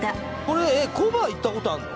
これえっコバ行ったことあんの？